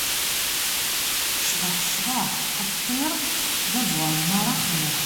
Cḍeḥ, cḍeḥ a ṭṭir d abuɛemmar axir.